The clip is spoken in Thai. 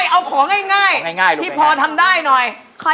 เอาของง่ายที่พอทำได้หน่อย